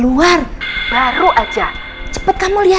terima kasih ma